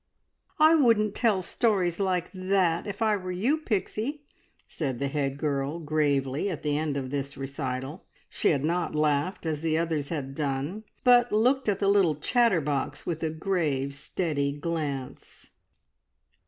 "I wouldn't tell stories like that if I were you, Pixie," said the head girl gravely, at the end of this recital. She had not laughed as the others had done, but looked at the little chatterbox with a grave, steady glance.